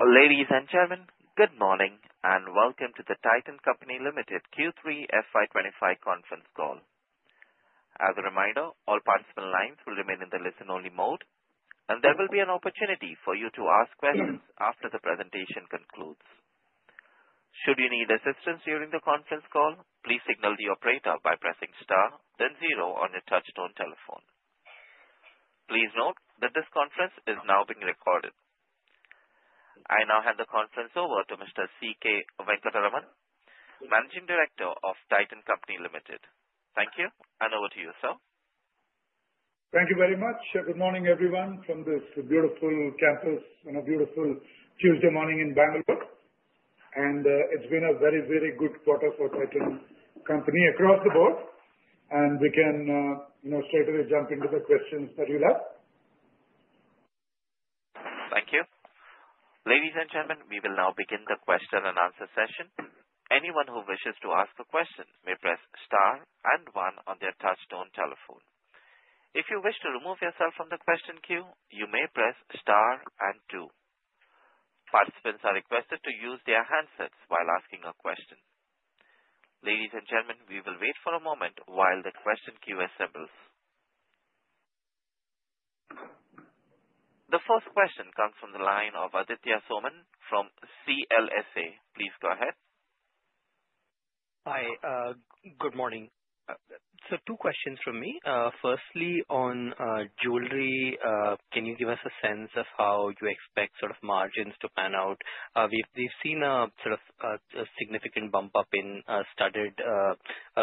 Ladies and gentlemen, good morning and welcome to the Titan Company Limited Q3 FY25 Conference Call. As a reminder, all participant lines will remain in the listen-only mode, and there will be an opportunity for you to ask questions after the presentation concludes. Should you need assistance during the conference call, please signal the operator by pressing star, then zero on your touch-tone telephone. Please note that this conference is now being recorded. I now hand the conference over to Mr. C.K. Venkataraman, Managing Director of Titan Company Limited. Thank you, and over to you, sir. Thank you very much. Good morning, everyone, from this beautiful campus on a beautiful Tuesday morning in Bangalore, and it's been a very, very good quarter for Titan Company across the board, and we can straight away jump into the questions that you'll have. Thank you. Ladies and gentlemen, we will now begin the question and answer session. Anyone who wishes to ask a question may press star and one on their touch-tone telephone. If you wish to remove yourself from the question queue, you may press star and two. Participants are requested to use their handsets while asking a question. Ladies and gentlemen, we will wait for a moment while the question queue assembles. The first question comes from the line of Aditya Soman from CLSA. Please go ahead. Hi, good morning. So two questions from me. Firstly, on jewelry, can you give us a sense of how you expect sort of margins to pan out? We've seen a significant bump up in studded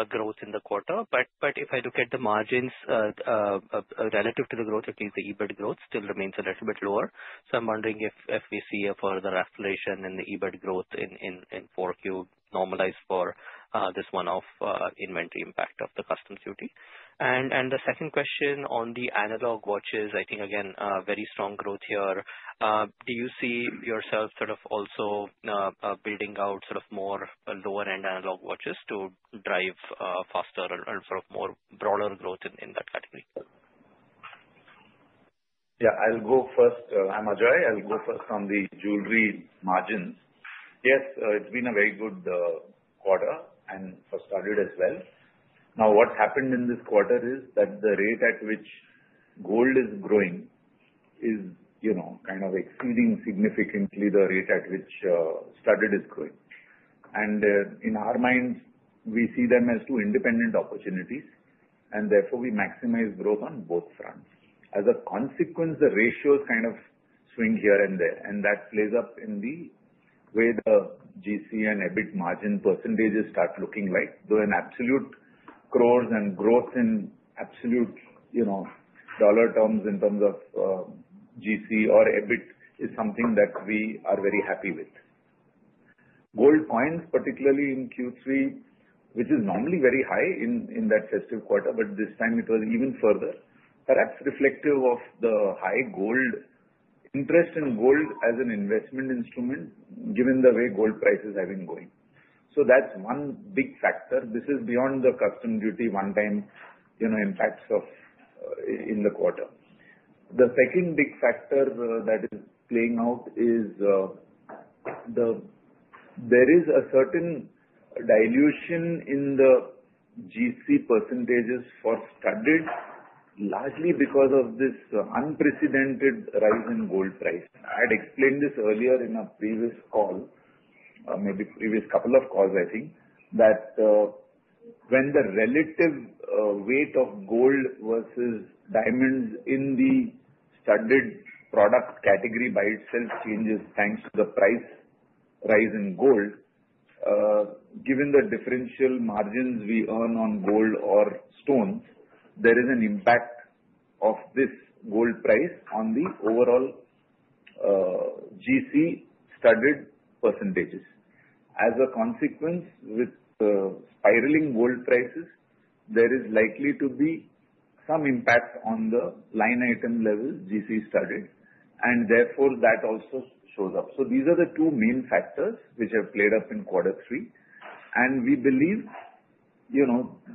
growth in the quarter, but if I look at the margins relative to the growth, at least the EBIT growth still remains a little bit lower. So I'm wondering if we see a further acceleration in the EBIT growth in forward view normalized for this one-off inventory impact of the customs duty? And the second question on the analog watches, I think, again, very strong growth here. Do you see yourself sort of also building out sort of more lower-end analog watches to drive faster and sort of more broader growth in that category? Yeah, I'll go first. I'm Ajoy. I'll go first on the jewelry margins. Yes, it's been a very good quarter and for studded as well. Now, what happened in this quarter is that the rate at which gold is growing is kind of exceeding significantly the rate at which studded is growing. And in our minds, we see them as two independent opportunities, and therefore we maximize growth on both fronts. As a consequence, the ratios kind of swing here and there, and that plays up in the way the GC and EBIT margin percentages start looking like. Though in absolute crores and growth in absolute dollar terms in terms of GC or EBIT is something that we are very happy with. Gold coins, particularly in Q3, which is normally very high in that festive quarter, but this time it was even further, perhaps reflective of the high gold interest in gold as an investment instrument given the way gold prices have been going. So that's one big factor. This is beyond the customs duty one-time impacts in the quarter. The second big factor that is playing out is there is a certain dilution in the GC percentages for studded, largely because of this unprecedented rise in gold price. I had explained this earlier in a previous call, maybe previous couple of calls, I think, that when the relative weight of gold versus diamonds in the studded product category by itself changes thanks to the price rise in gold, given the differential margins we earn on gold or stone, there is an impact of this gold price on the overall GC studded percentages. As a consequence, with the spiraling gold prices, there is likely to be some impact on the line item level GC studded, and therefore that also shows up. So these are the two main factors which have played up in quarter three, and we believe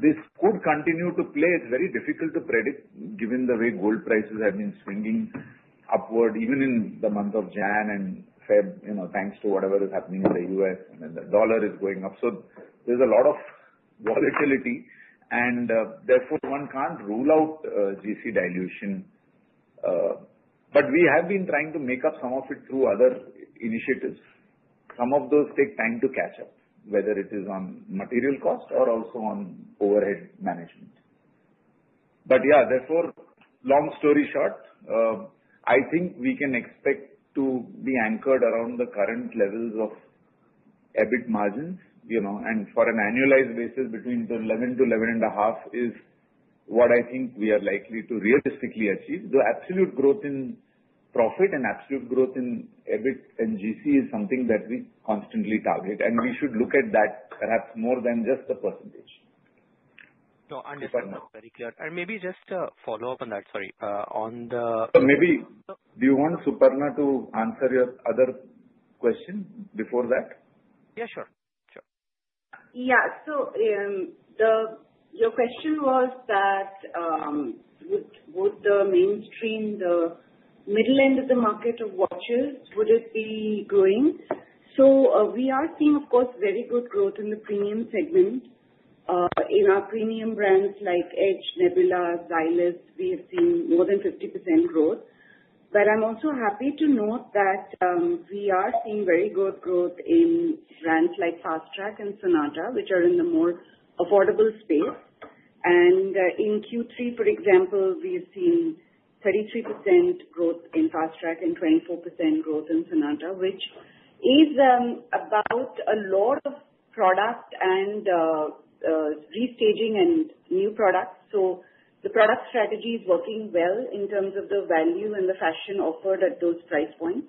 this could continue to play. It's very difficult to predict given the way gold prices have been swinging upward even in the month of January and February thanks to whatever is happening in the U.S., and then the dollar is going up. So there's a lot of volatility, and therefore one can't rule out GC dilution, but we have been trying to make up some of it through other initiatives. Some of those take time to catch up, whether it is on material cost or also on overhead management. But yeah, therefore, long story short, I think we can expect to be anchored around the current levels of EBIT margins, and for an annualized basis between 11% -11.5% is what I think we are likely to realistically achieve. The absolute growth in profit and absolute growth in EBIT and GC is something that we constantly target, and we should look at that perhaps more than just the percentage. So understood. Very clear. And maybe just a follow-up on that, sorry. On the. So maybe do you want Suparna to answer your other question before that? Yeah, sure. Sure. Yeah. So your question was that would the mainstream, the middle end of the market of watches, would it be growing? So we are seeing, of course, very good growth in the premium segment. In our premium brands like Edge, Nebula, Xylys, we have seen more than 50% growth. But I'm also happy to note that we are seeing very good growth in brands like Fastrack and Sonata, which are in the more affordable space. And in Q3, for example, we have seen 33% growth in Fastrack and 24% growth in Sonata, which is about a lot of product and restaging and new products. So the product strategy is working well in terms of the value and the fashion offered at those price points.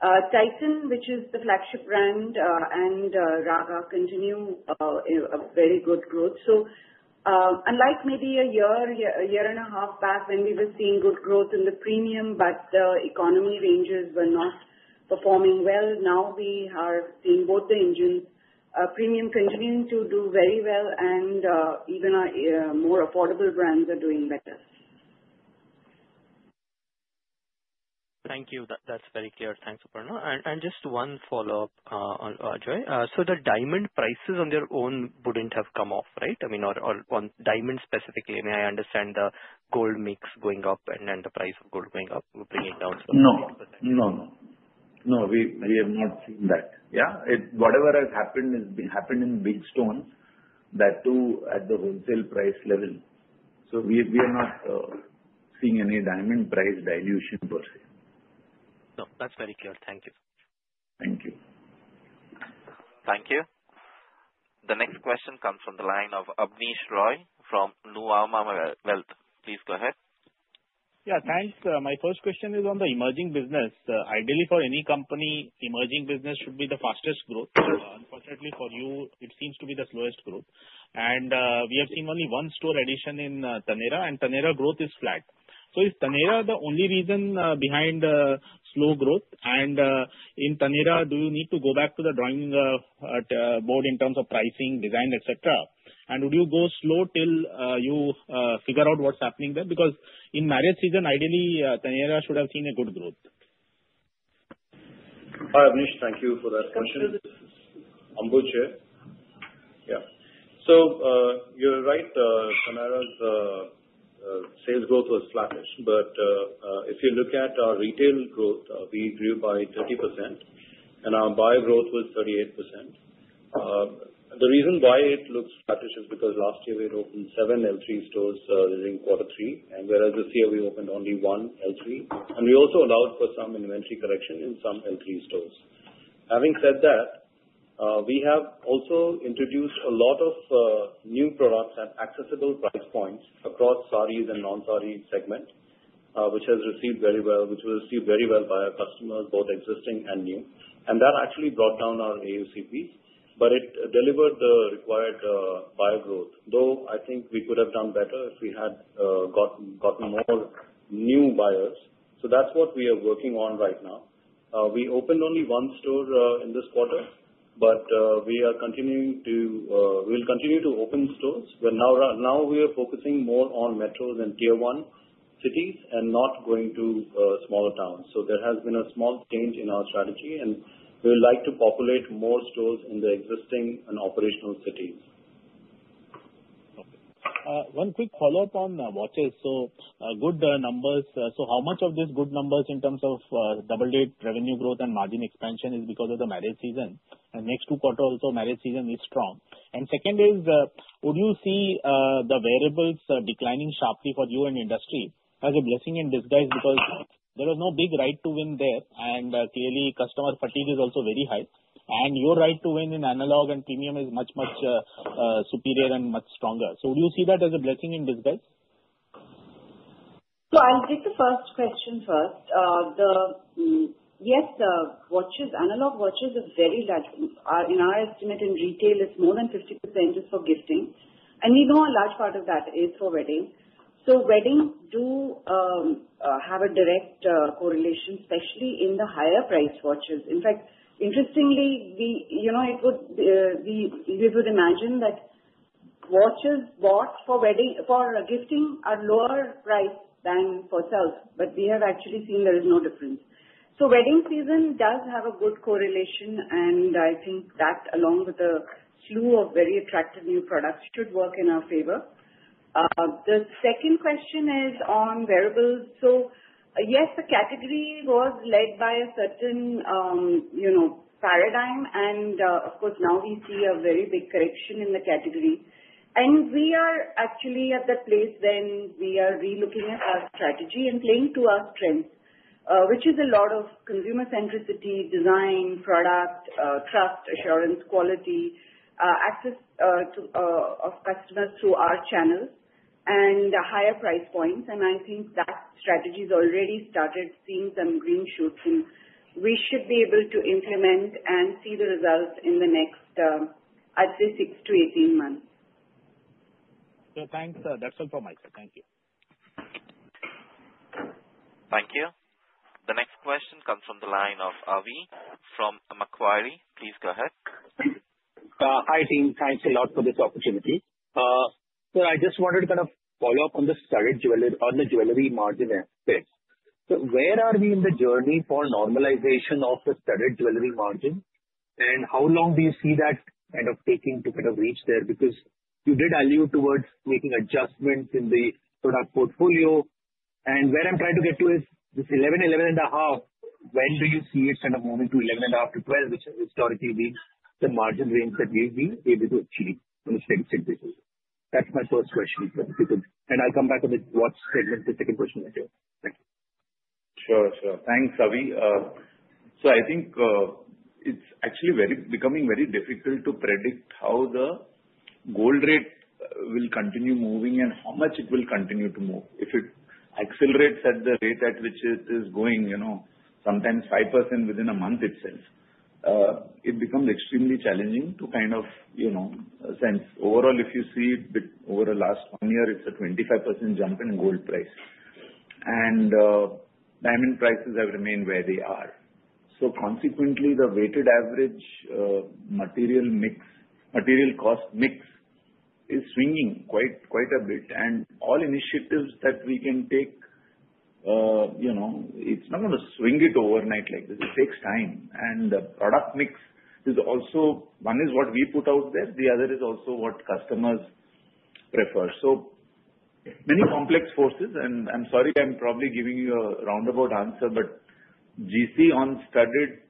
Titan, which is the flagship brand, and Raga continue very good growth. So, unlike maybe a year, a year and a half back when we were seeing good growth in the premium, but the economy ranges were not performing well, now we are seeing both the premium continuing to do very well, and even more affordable brands are doing better. Thank you. That's very clear. Thanks, Suparna. And just one follow-up, Ajoy. So the diamond prices on their own wouldn't have come off, right? I mean, on diamond specifically, may I understand the gold mix going up and the price of gold going up, bringing down some of the diamonds? No, no, no. No, we have not seen that. Yeah, whatever has happened has happened in big stones, that too at the wholesale price level. So we are not seeing any diamond price dilution per se. No, that's very clear. Thank you. Thank you. Thank you. The next question comes from the line of Abneesh Roy from Nuvama. Well, please go ahead. Yeah, thanks. My first question is on the emerging business. Ideally, for any company, emerging business should be the fastest growth. Unfortunately, for you, it seems to be the slowest growth. And we have seen only one store addition in Taneira, and Taneira growth is flat. So is Taneira the only reason behind the slow growth? And in Taneira, do you need to go back to the drawing board in terms of pricing, design, etc.? And would you go slow till you figure out what's happening there? Because in marriage season, ideally, Taneira should have seen a good growth. Hi, Abneesh. Thank you for that question. Abhaneesh. Ambuj, yeah, so you're right. Taneira's sales growth was flattish, but if you look at our retail growth, we grew by 30%, and our buyer growth was 38%. The reason why it looks flattish is because last year we had opened seven L3 stores during quarter three, and whereas this year we opened only one L3, and we also allowed for some inventory correction in some L3 stores. Having said that, we have also introduced a lot of new products at accessible price points across saree and non-saree segment, which has received very well, which was received very well by our customers, both existing and new, and that actually brought down our AUCP, but it delivered the required buyer growth, though I think we could have done better if we had gotten more new buyers, so that's what we are working on right now. We opened only one store in this quarter, but we'll c ontinue to open stores. Now we are focusing more on metros and tier one cities and not going to smaller towns, so there has been a small change in our strategy, and we would like to populate more stores in the existing and operational cities. One quick follow-up on watches. So good numbers. So how much of these good numbers in terms of double-digit revenue growth and margin expansion is because of the marriage season? And next two quarters also, marriage season is strong. And second is, would you see the wearables declining sharply for you and industry as a blessing in disguise? Because there was no big right to win there, and clearly customer fatigue is also very high, and your right to win in analog and premium is much, much superior and much stronger. So would you see that as a blessing in disguise? I'll take the first question first. Yes, watches, analog watches are very large. In our estimate in retail, it's more than 50% is for gifting, and we know a large part of that is for weddings. So weddings do have a direct correlation, especially in the higher-priced watches. In fact, interestingly, we would imagine that watches bought for gifting are lower priced than for sales, but we have actually seen there is no difference. So wedding season does have a good correlation, and I think that along with the slew of very attractive new products should work in our favor. The second question is on wearables. So yes, the category was led by a certain paradigm, and of course now we see a very big correction in the category. We are actually at the place when we are relooking at our strategy and playing to our strengths, which is a lot of consumer centricity, design, product, trust, assurance, quality, access of customers through our channels, and higher price points. I think that strategy has already started seeing some green shoots, and we should be able to implement and see the results in the next, I'd say, six to 18 months. Thanks, that's all from my side. Thank you. Thank you. The next question comes from the line of Avi from Macquarie. Please go ahead. Hi team, thanks a lot for this opportunity. So I just wanted to kind of follow up on the studded jewelry margin aspect. So where are we in the journey for normalization of the studded jewelry margin, and how long do you see that kind of taking to kind of reach there? Because you did allude towards making adjustments in the product portfolio, and where I'm trying to get to is this 11, 11.5, when do you see it kind of moving to 11.5-12, which has historically been the margin range that we've been able to achieve on a steady state basis? That's my first question, and I'll come back on the watch segment, the second question later. Thank you. Sure, sure. Thanks, Avi. So I think it's actually becoming very difficult to predict how the gold rate will continue moving and how much it will continue to move. If it accelerates at the rate at which it is going, sometimes 5% within a month itself, it becomes extremely challenging to kind of sense. Overall, if you see it over the last one year, it's a 25% jump in gold price, and diamond prices have remained where they are. So consequently, the weighted average material cost mix is swinging quite a bit, and all initiatives that we can take, it's not going to swing it overnight like this. It takes time, and the product mix is also one is what we put out there. The other is also what customers prefer. So many complex forces, and I'm sorry I'm probably giving you a roundabout answer, but GC on studded,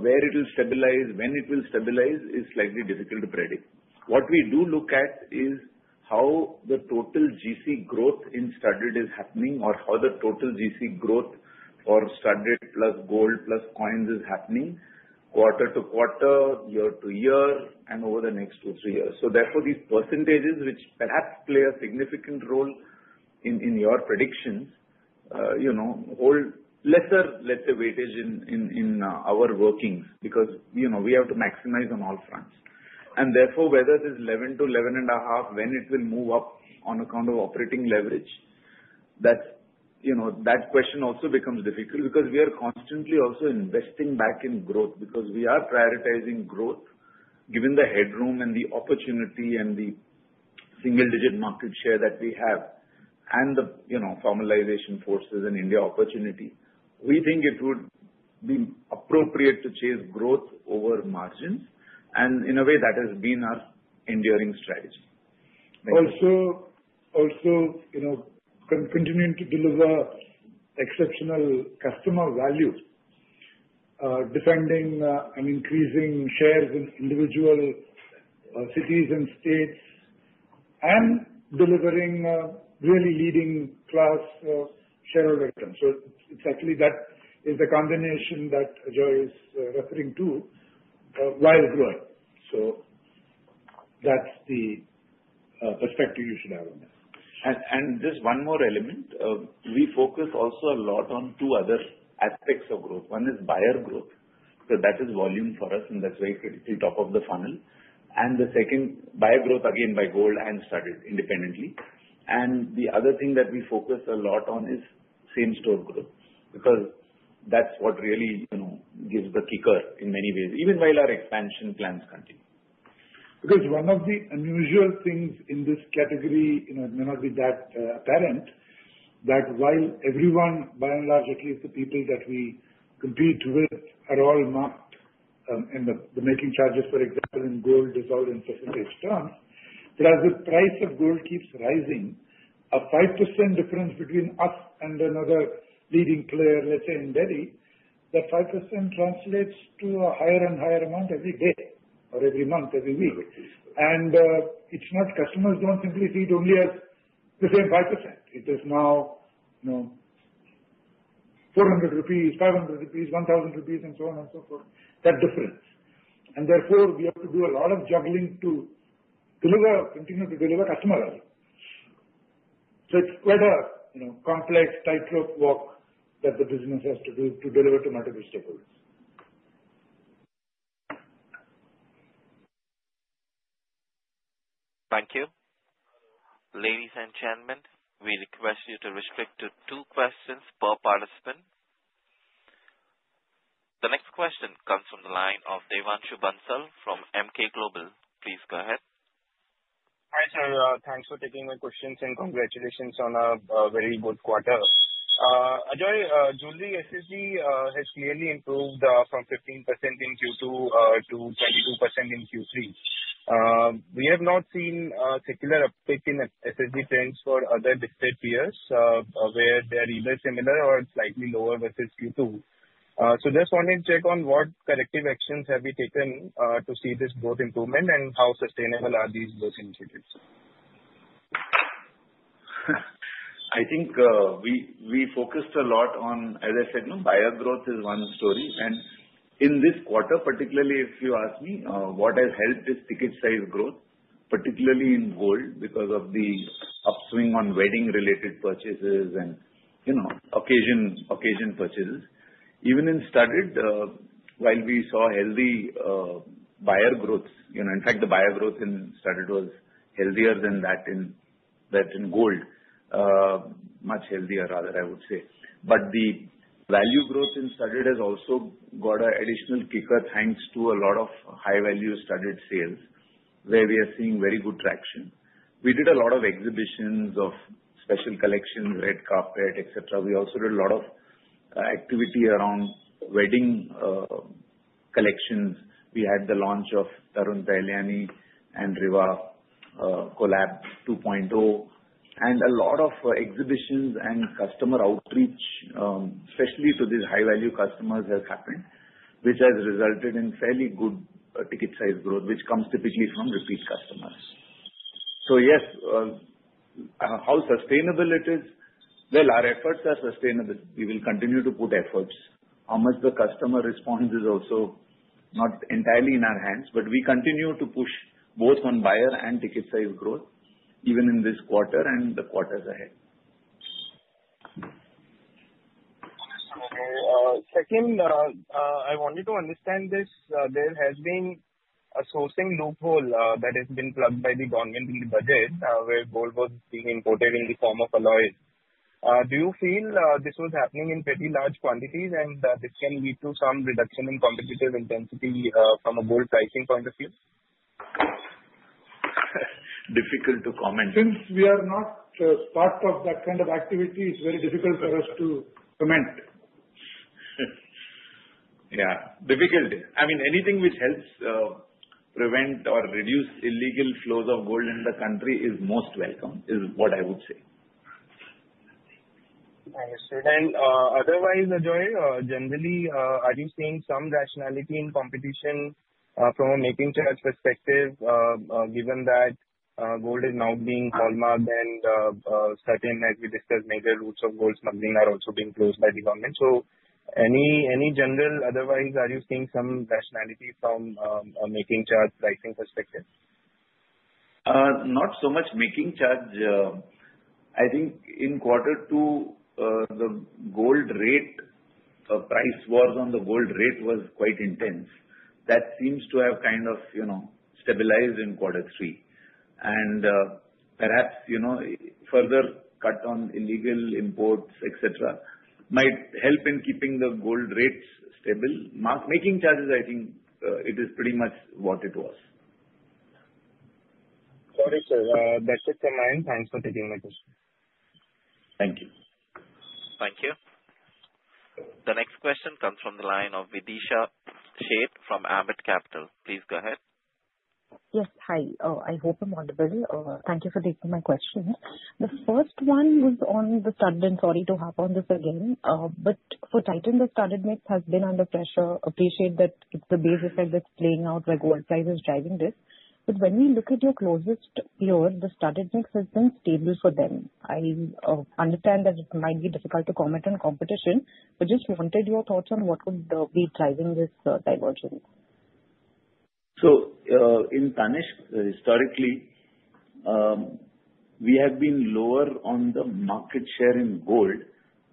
where it will stabilize, when it will stabilize is slightly difficult to predict. What we do look at is how the total GC growth in studded is happening or how the total GC growth for studded plus gold plus coins is happening quarter to quarter, year to year, and over the next two, three years. So therefore, these percentages, which perhaps play a significant role in your predictions, hold lesser, let's say, weightage in our workings because we have to maximize on all fronts. And therefore, whether it is 11-11.5, when it will move up on account of operating leverage, that question also becomes difficult because we are constantly also investing back in growth because we are prioritizing growth given the headroom and the opportunity and the single-digit market share that we have and the formalization forces and India opportunity. We think it would be appropriate to chase growth over margins, and in a way, that has been our enduring strategy. Also, continuing to deliver exceptional customer value, defending and increasing shares in individual cities and states, and delivering really leading-class shareholder returns. So it's actually that is the combination that Ajoy is referring to while growing. So that's the perspective you should have on that. And just one more element. We focus also a lot on two other aspects of growth. One is buyer growth. So that is volume for us, and that's very critical top of the funnel. And the second, buyer growth, again, by gold and studded independently. And the other thing that we focus a lot on is same-store growth because that's what really gives the kicker in many ways, even while our expansion plans continue. Because one of the unusual things in this category, it may not be that apparent, that while everyone, by and large, at least the people that we compete with, are all marked in the making charges, for example, in gold, it's all in percentage terms. But as the price of gold keeps rising, a 5% difference between us and another leading player, let's say in Delhi, that 5% translates to a higher and higher amount every day or every month, every week. And it's not customers don't simply treat only as the same 5%. It is now 400 rupees, 500 rupees, 1,000 rupees, and so on and so forth, that difference. And therefore, we have to do a lot of juggling to continue to deliver customer value. So it's quite a complex, tightrope walk that the business has to do to deliver to multiple stakeholders. Thank you. Ladies and gentlemen, we request you to restrict to two questions per participant. The next question comes from the line of Devanshu Bansal from Emkay Global. Please go ahead. Hi, sir. Thanks for taking my questions and congratulations on a very good quarter. Ajoy, Jewelry SSG has clearly improved from 15% in Q2 to 22% in Q3. We have not seen a secular uptick in SSG trends for other listed peers where they are either similar or slightly lower versus Q2. So just wanted to check on what corrective actions have we taken to see this growth improvement and how sustainable are these growth initiatives? I think we focused a lot on, as I said, buyer growth is one story, and in this quarter, particularly if you ask me what has helped this ticket size growth, particularly in gold because of the upswing on wedding-related purchases and occasion purchases. Even in studded, while we saw healthy buyer growth, in fact, the buyer growth in studded was healthier than that in gold, much healthier rather, I would say, but the value growth in studded has also got an additional kicker thanks to a lot of high-value studded sales where we are seeing very good traction. We did a lot of exhibitions of special collections, red carpet, etc. We also did a lot of activity around wedding collections. We had the launch of Tarun Tahiliani and Rivaah Collab 2.0, and a lot of exhibitions and customer outreach, especially to these high-value customers, has happened, which has resulted in fairly good ticket size growth, which comes typically from repeat customers. So yes, how sustainable it is? Well, our efforts are sustainable. We will continue to put efforts. How much the customer responds is also not entirely in our hands, but we continue to push both on buyer and ticket size growth, even in this quarter and the quarters ahead. Second, I wanted to understand this. There has been a sourcing loophole that has been plugged by the government in the budget where gold was being imported in the form of alloys. Do you feel this was happening in pretty large quantities and that this can lead to some reduction in competitive intensity from a gold pricing point of view? Difficult to comment. Since we are not part of that kind of activity, it's very difficult for us to comment. Yeah, difficult. I mean, anything which helps prevent or reduce illegal flows of gold in the country is most welcome, is what I would say. Understood. And otherwise, Ajoy, generally, are you seeing some rationality in competition from a making charges perspective, given that gold is now being hallmarked and certain, as we discussed, major routes of gold smuggling are also being closed by the government? So any general, otherwise, are you seeing some rationality from a making charges pricing perspective? Not so much making charges. I think in quarter two, the gold rate price wars on the gold rate was quite intense. That seems to have kind of stabilized in quarter three, and perhaps further cut on illegal imports, etc., might help in keeping the gold rates stable. Making charges, I think it is pretty much what it was. Sorry, sir. That's it from mine. Thanks for taking my question. Thank you. Thank you. The next question comes from the line of Videesha Sheth from Ambit Capital. Please go ahead. Yes, hi. I hope I'm audible. Thank you for taking my question. The first one was on the studded, and sorry to harp on this again, but for Titan, the studded mix has been under pressure. Appreciate that it's the base effect that's playing out where gold price is driving this. But when we look at your closest peer, the studded mix has been stable for them. I understand that it might be difficult to comment on competition, but just wanted your thoughts on what could be driving this divergence. In Tanishq, historically, we have been lower on the market share in gold,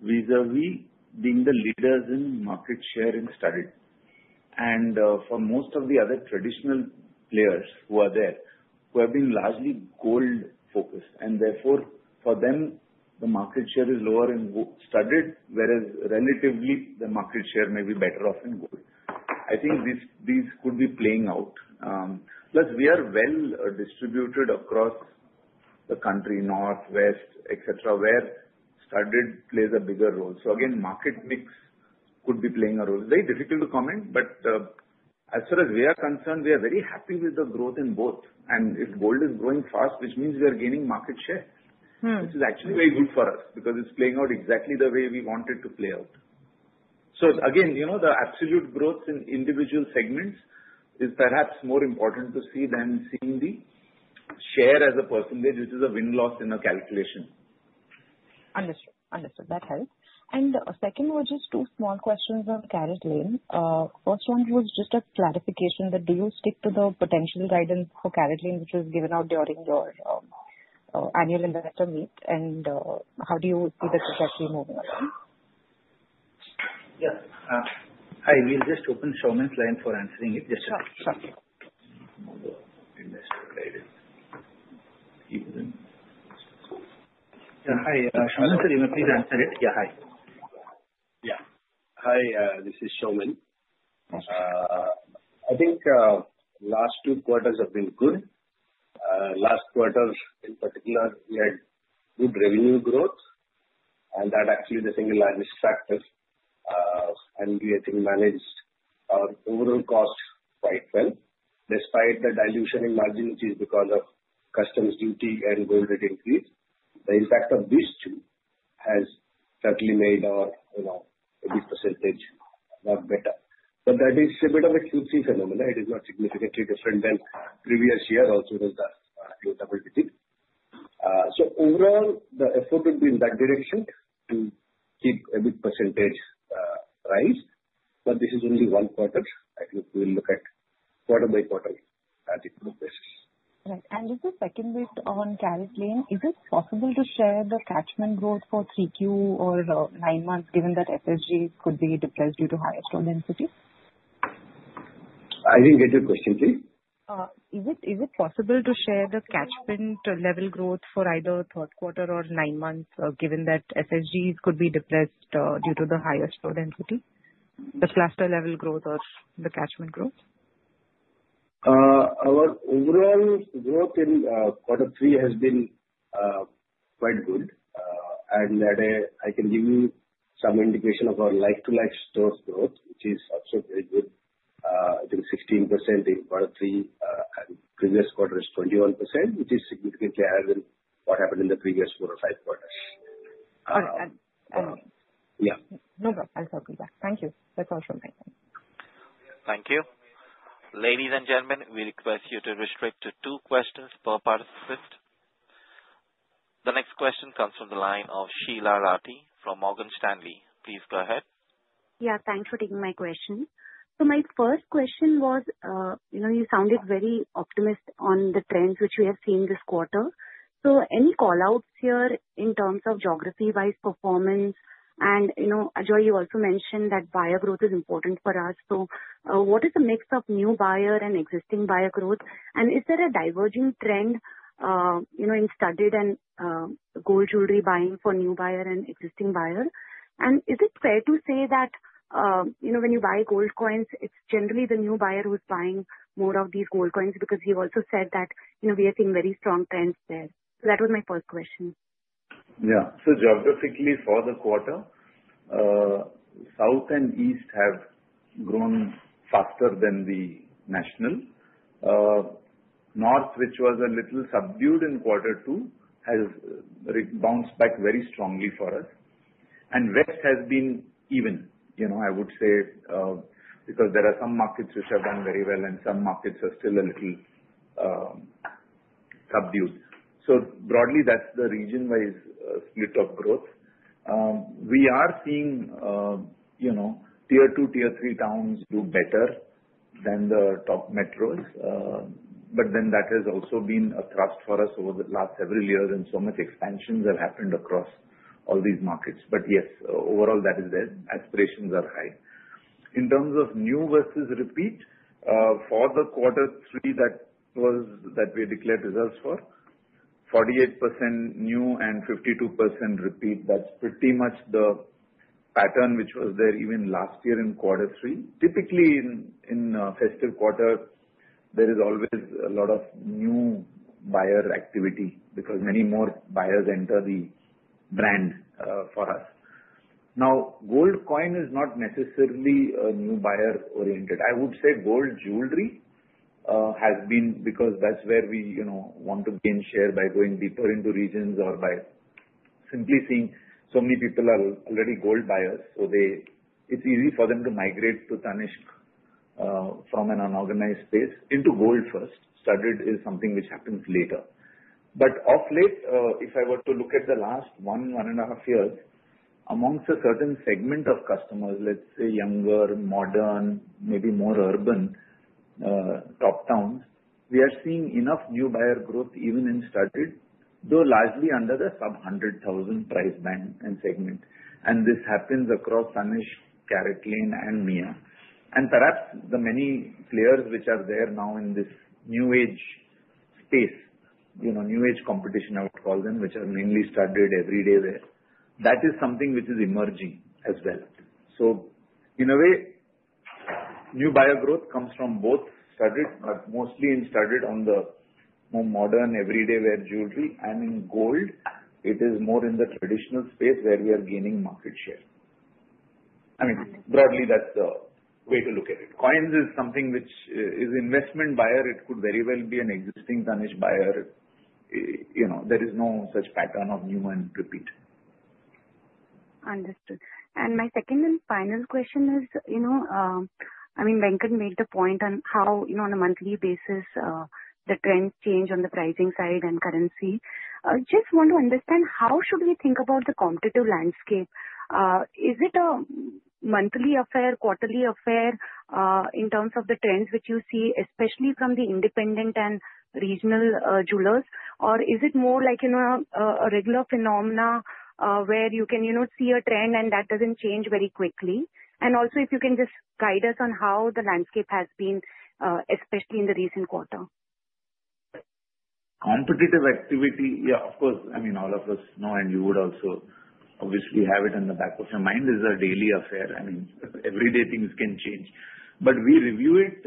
vis-à-vis being the leaders in market share in studded. For most of the other traditional players who are there, who have been largely gold-focused, and therefore for them, the market share is lower in studded, whereas relatively the market share may be better off in gold. I think these could be playing out. Plus, we are well distributed across the country, north, west, etc., where studded plays a bigger role. Again, market mix could be playing a role. Very difficult to comment, but as far as we are concerned, we are very happy with the growth in both. If gold is growing fast, which means we are gaining market share, which is actually very good for us because it's playing out exactly the way we want it to play out. Again, the absolute growth in individual segments is perhaps more important to see than seeing the share as a percentage, which is a win-loss in a calculation. Understood. Understood. That helps. And second, we're just two small questions on CaratLane. First one was just a clarification that do you stick to the potential guidance for CaratLane, which was given out during your annual investor meet? And how do you see the trajectory moving along? Yes. Hi. We'll just open Saumen's line for answering it. Just a second. Yeah. Hi. Saumen, sir, you may please answer it. Yeah. Hi. Yeah. Hi. This is Saumen. I think last two quarters have been good. Last quarter, in particular, we had good revenue growth, and that actually is the single largest factor. And we I think managed our overall cost quite well despite the dilution in margin, which is because of customs duty and gold rate increase. The impact of these two has certainly made our EBIT percentage a lot better. But that is a bit of a Q3 phenomenon. It is not significantly different than previous year also with the EBITDA. So overall, the effort would be in that direction to keep EBIT percentage rise. But this is only one quarter. I think we'll look at quarter by quarter at a group basis. Right. And just a second bit on CaratLane. Is it possible to share the catchment growth for 3Q or 9 months, given that SSGs could be depressed due to higher stone density? I didn't get your question, please. Is it possible to share the catchment level growth for either third quarter or nine months, given that SSGs could be depressed due to the higher store density, the cluster level growth, or the catchment growth? Our overall growth in quarter three has been quite good. I can give you some indication of our like-to-like stores growth, which is also very good. I think 16% in quarter three and previous quarter is 21%, which is significantly higher than what happened in the previous four or five quarters. All right. Yeah. No problem. I'll circle back. Thank you. That's all from my side. Thank you. Ladies and gentlemen, we request you to restrict to two questions per participant. The next question comes from the line of Sheela Rathi from Morgan Stanley. Please go ahead. Yeah. Thanks for taking my question. So my first question was you sounded very optimistic on the trends which we have seen this quarter. So any callouts here in terms of geography-wise performance? And Ajoy, you also mentioned that buyer growth is important for us. So what is the mix of new buyer and existing buyer growth? And is there a diverging trend in studded and gold jewelry buying for new buyer and existing buyer? And is it fair to say that when you buy gold coins, it's generally the new buyer who's buying more of these gold coins because you also said that we are seeing very strong trends there? So that was my first question. Yeah, so geographically for the quarter, south and east have grown faster than the national. North, which was a little subdued in quarter two, has bounced back very strongly for us, and west has been even, I would say, because there are some markets which have done very well and some markets are still a little subdued. So broadly, that's the region-wise split of growth. We are seeing tier two, tier three towns do better than the top metros, but then that has also been a thrust for us over the last several years, and so much expansion has happened across all these markets, but yes, overall, that is there. Aspirations are high. In terms of new versus repeat, for the quarter three that we declared results for, 48% new and 52% repeat, that's pretty much the pattern which was there even last year in quarter three. Typically, in festive quarter, there is always a lot of new buyer activity because many more buyers enter the brand for us. Now, gold coin is not necessarily a new buyer-oriented. I would say gold jewelry has been because that's where we want to gain share by going deeper into regions or by simply seeing so many people are already gold buyers. So it's easy for them to migrate to Tanishq from an unorganized space into gold first. Studded is something which happens later. But of late, if I were to look at the last one, one and a half years, amongst a certain segment of customers, let's say younger, modern, maybe more urban top towns, we are seeing enough new buyer growth even in studded, though largely under the sub ₹100,000 price band and segment, and this happens across Tanishq, CaratLane, and Mia. Perhaps the many players which are there now in this new age space, new age competition, I would call them, which are mainly studded every day there, that is something which is emerging as well. In a way, new buyer growth comes from both studded, but mostly in studded on the more modern everyday wear jewelry. In gold, it is more in the traditional space where we are gaining market share. I mean, broadly, that's the way to look at it. Coins is something which is investment buyer. It could very well be an existing Tanishq buyer. There is no such pattern of new and repeat. Understood. And my second and final question is, I mean, Venkat made the point on how on a monthly basis, the trends change on the pricing side and currency. Just want to understand how should we think about the competitive landscape? Is it a monthly affair, quarterly affair in terms of the trends which you see, especially from the independent and regional jewelers? Or is it more like a regular phenomenon where you can see a trend and that doesn't change very quickly? And also, if you can just guide us on how the landscape has been, especially in the recent quarter. Competitive activity, yeah, of course. I mean, all of us know, and you would also obviously have it in the back of your mind. It's a daily affair. I mean, everyday things can change. But we review it.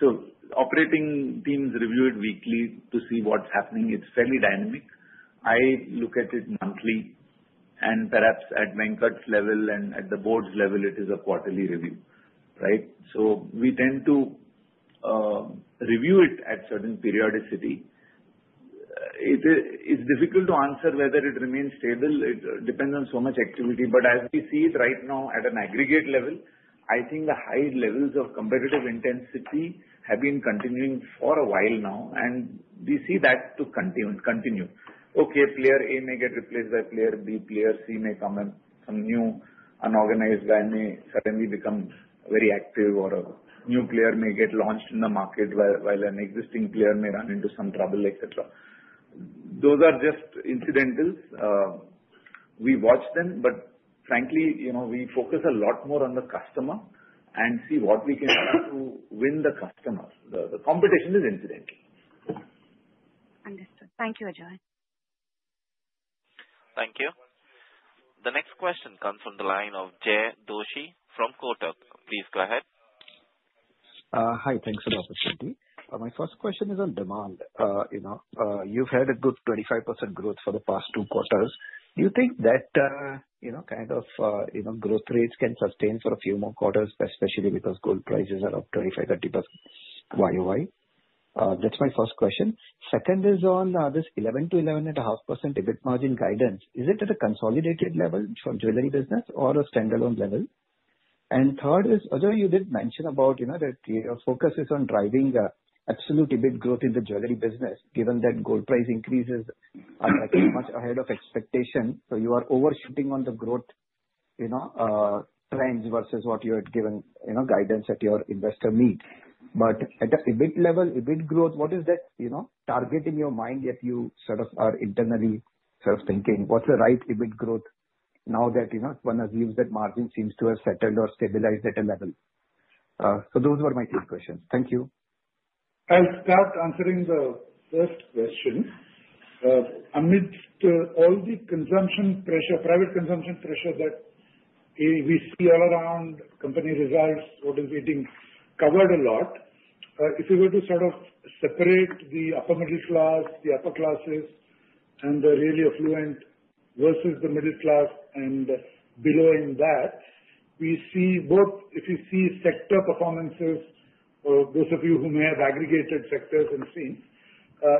So operating teams review it weekly to see what's happening. It's fairly dynamic. I look at it monthly. And perhaps at Venkat's level and at the board's level, it is a quarterly review, right? So we tend to review it at certain periodicity. It's difficult to answer whether it remains stable. It depends on so much activity. But as we see it right now at an aggregate level, I think the high levels of competitive intensity have been continuing for a while now. And we see that to continue. Okay, player A may get replaced by player B. Player C may come and some new unorganized guy may suddenly become very active, or a new player may get launched in the market while an existing player may run into some trouble, etc. Those are just incidentals. We watch them. But frankly, we focus a lot more on the customer and see what we can do to win the customer. The competition is incidental. Understood. Thank you, Ajoy. Thank you. The next question comes from the line of Jay Doshi from Kotak. Please go ahead. Hi. Thanks for the opportunity. My first question is on demand. You've had a good 25% growth for the past two quarters. Do you think that kind of growth rates can sustain for a few more quarters, especially because gold prices are up 25%-30% YOY? That's my first question. Second is on this 11%-11.5% EBIT margin guidance. Is it at a consolidated level for jewelry business or a standalone level? And third is, Ajoy, you did mention about that your focus is on driving absolute EBIT growth in the jewelry business, given that gold price increases are much ahead of expectation. So you are overshooting on the growth trends versus what you had given guidance at your investor meet. But at the EBIT level, EBIT growth, what is that target in your mind that you sort of are internally sort of thinking? What's the right EBIT growth now that one has used that margin seems to have settled or stabilized at a level? So those were my three questions. Thank you. I'll start answering the first question. Amidst all the consumption pressure, private consumption pressure that we see all around company results, what is it being covered a lot, if you were to sort of separate the upper middle class, the upper classes, and the really affluent versus the middle class and below in that, we see both if you see sector performances, those of you who may have aggregated sectors and seen,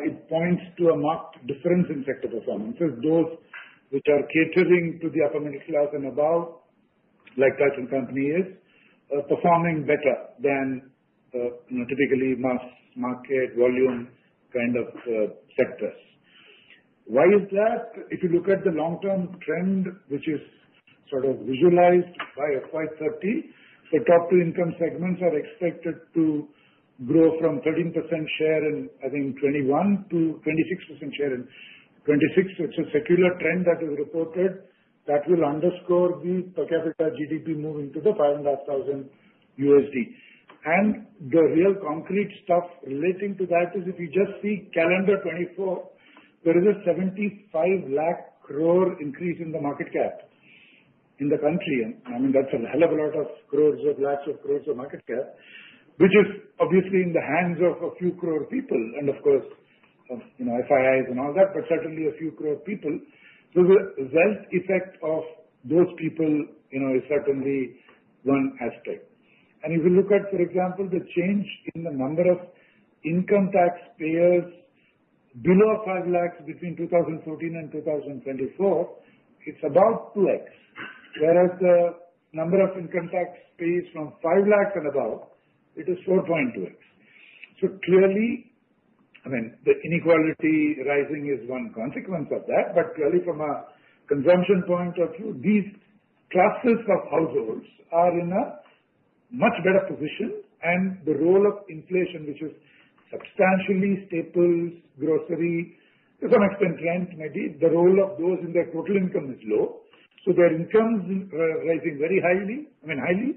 it points to a marked difference in sector performances. Those which are catering to the upper middle class and above, like Titan Company is, performing better than typically mass market volume kind of sectors. Why is that? If you look at the long-term trend, which is sort of visualized by FY30, the top two income segments are expected to grow from 13% share in, I think, 2021 to 26% share in 2026. It's a secular trend that is reported that will underscore the per capita GDP moving to $5,500. And the real concrete stuff relating to that is if you just see calendar 2024, there is a 75 lakh crore increase in the market cap in the country. And I mean, that's a hell of a lot of crores of lakhs of crores of market cap, which is obviously in the hands of a few crore people and of course, FIIs and all that, but certainly a few crore people. So the wealth effect of those people is certainly one aspect. And if you look at, for example, the change in the number of income taxpayers below 5 lakhs between 2014 and 2024, it's about 2x. Whereas the number of income taxpayers from 5 lakhs and above, it is 4.2x. So clearly, I mean, the inequality rising is one consequence of that. But clearly, from a consumption point of view, these classes of households are in a much better position. And the role of inflation, which is substantially staples, grocery, to some extent rent, maybe, the role of those in their total income is low. So their incomes are rising very highly. I mean, highly.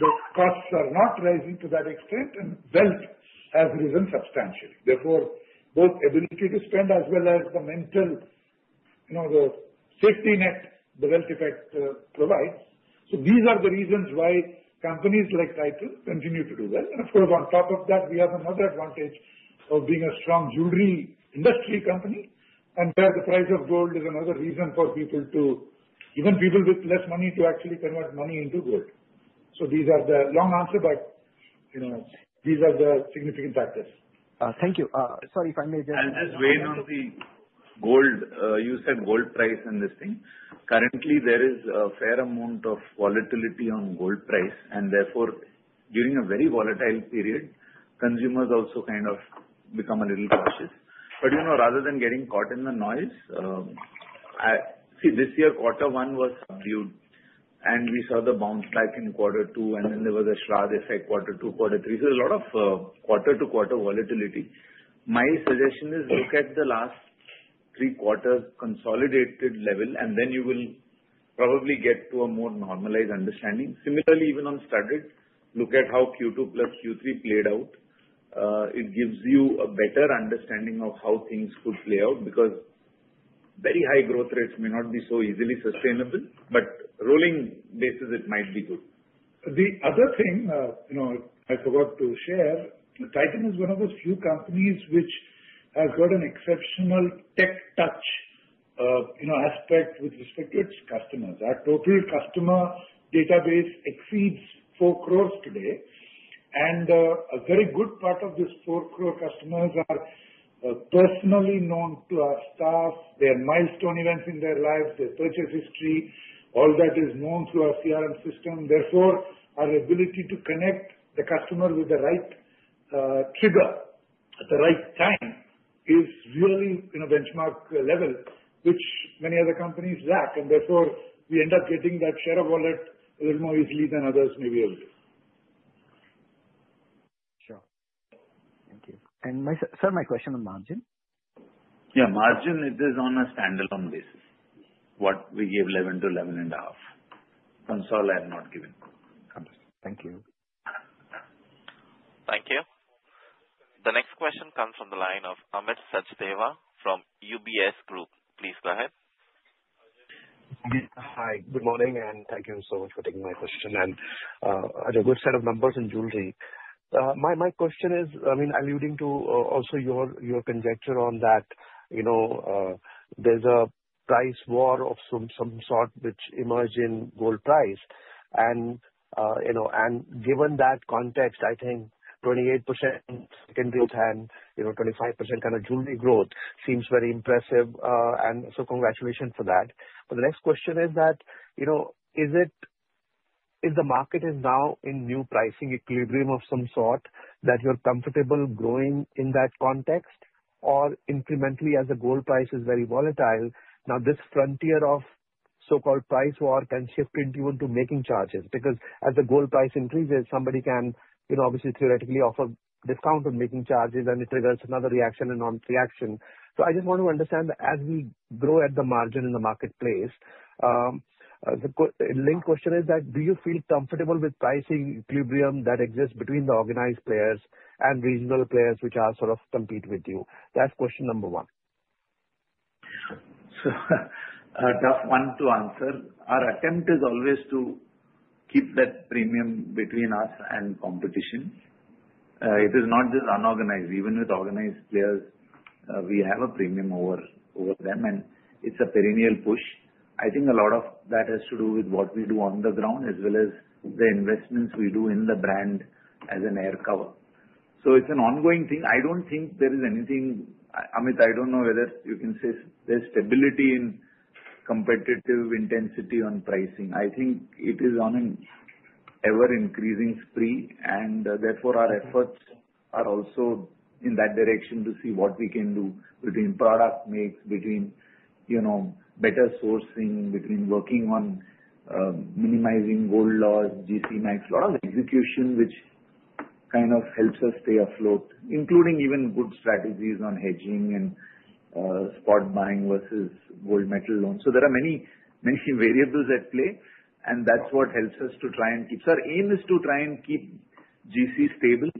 The costs are not rising to that extent. And wealth has risen substantially. Therefore, both ability to spend as well as the mental, the safety net the wealth effect provides. So these are the reasons why companies like Titan continue to do well. And of course, on top of that, we have another advantage of being a strong jewelry industry company. And where the price of gold is another reason for people to, even people with less money, to actually convert money into gold. So these are the long answer, but these are the significant factors. Thank you. Sorry if I may just. I'll just weigh in on the gold. You said gold price and this thing. Currently, there is a fair amount of volatility on gold price, and therefore, during a very volatile period, consumers also kind of become a little cautious, but rather than getting caught in the noise, see, this year, quarter one was subdued, and we saw the bounce back in quarter two, and then there was a Shradh's effect, quarter two, quarter three, so there's a lot of quarter-to-quarter volatility. My suggestion is look at the last three quarters' consolidated level, and then you will probably get to a more normalized understanding. Similarly, even on studded, look at how Q2 plus Q3 played out. It gives you a better understanding of how things could play out because very high growth rates may not be so easily sustainable, but rolling basis, it might be good. The other thing I forgot to share, Titan is one of the few companies which has got an exceptional Tech Touch aspect with respect to its customers. Our total customer database exceeds 4 crores today. A very good part of these 4 crore customers are personally known to our staff. They have milestone events in their lives. They have purchase history. All that is known through our CRM system. Therefore, our ability to connect the customer with the right trigger at the right time is really in a benchmark level, which many other companies lack. Therefore, we end up getting that share of wallet a little more easily than others may be able to. Sure. Thank you. And may I ask my question on margin? Yeah. Margin, it is on a standalone basis. What we gave 11%-11.5%. CLSA had not given. Thank you. Thank you. The next question comes from the line of Amit Sachdeva from UBS Group. Please go ahead. Hi. Good morning. And thank you so much for taking my question. And I have a good set of numbers in jewelry. My question is, I mean, alluding to also your conjecture on that, there's a price war of some sort which emerged in gold price. And given that context, I think 28% secondary and 25% kind of jewelry growth seems very impressive. And so congratulations for that. But the next question is that is the market now in new pricing equilibrium of some sort that you're comfortable growing in that context? Or incrementally, as the gold price is very volatile, now this frontier of so-called price war can shift into making charges? Because as the gold price increases, somebody can obviously theoretically offer discount on making charges, and it triggers another reaction and non-reaction. I just want to understand as we grow at the margin in the marketplace, the next question is that do you feel comfortable with pricing equilibrium that exists between the organized players and regional players which are sort of compete with you? That's question number one. So, tough one to answer. Our attempt is always to keep that premium between us and competition. It is not just unorganized. Even with organized players, we have a premium over them. And it's a perennial push. I think a lot of that has to do with what we do on the ground as well as the investments we do in the brand as an air cover. So it's an ongoing thing. I don't think there is anything, Amit. I don't know whether you can say there's stability in competitive intensity on pricing. I think it is on an ever-increasing spree. Therefore, our efforts are also in that direction to see what we can do between product mix, between better sourcing, between working on minimizing gold loss, GC max, a lot of execution which kind of helps us stay afloat, including even good strategies on hedging and spot buying versus gold metal loans. So there are many variables at play. And that's what helps us to try and keep our aim is to try and keep GC stable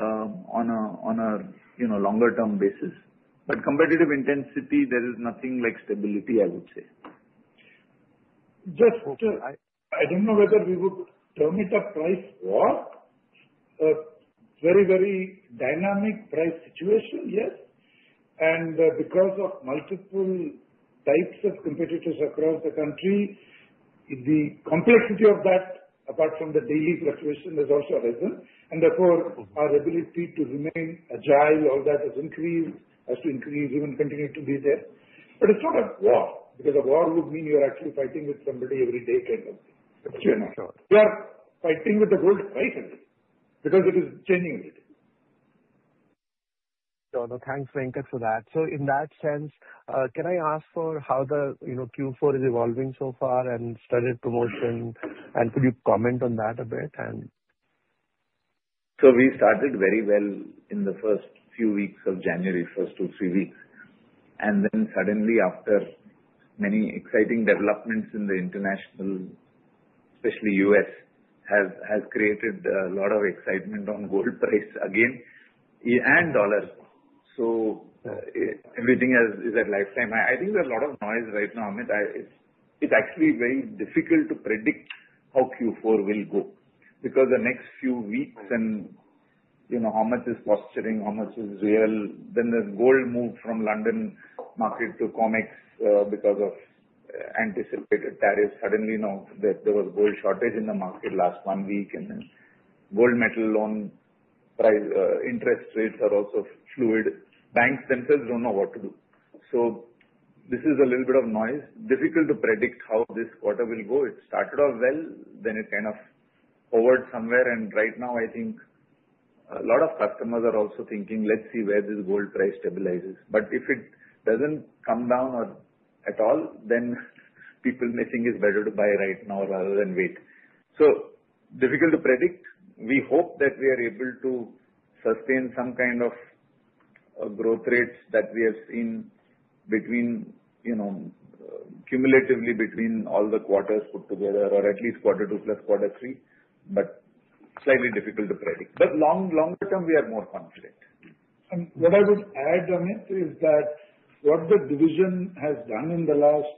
on a longer-term basis. Competitive intensity, there is nothing like stability, I would say. I don't know whether we would term it a price war. Very, very dynamic price situation, yes. And because of multiple types of competitors across the country, the complexity of that, apart from the daily fluctuation, has also risen. And therefore, our ability to remain agile, all that has increased, has to increase, even continue to be there. But it's not a war because a war would mean you're actually fighting with somebody every day kind of thing. Sure. We are fighting with the gold price because it is changing every day. Sure. Thanks, Venkat, for that. So in that sense, can I ask for how the Q4 is evolving so far and studded promotion? And could you comment on that a bit? So we started very well in the first few weeks of January, first two, three weeks. And then suddenly, after many exciting developments in the international, especially U.S., has created a lot of excitement on gold price again and dollar. So everything is at lifetime. I think there's a lot of noise right now, Amit. It's actually very difficult to predict how Q4 will go because the next few weeks and how much is posturing, how much is real. Then the gold moved from London market to Comex because of anticipated tariffs. Suddenly, there was gold shortage in the market last one week. And then gold metal loan interest rates are also fluid. Banks themselves don't know what to do. So this is a little bit of noise. Difficult to predict how this quarter will go. It started off well. Then it kind of forward somewhere. Right now, I think a lot of customers are also thinking, "Let's see where this gold price stabilizes." If it doesn't come down at all, then people may think it's better to buy right now rather than wait. Difficult to predict. We hope that we are able to sustain some kind of growth rates that we have seen cumulatively between all the quarters put together or at least quarter two plus quarter three. Slightly difficult to predict. Longer term, we are more confident. And what I would add, Amit, is that what the division has done in the last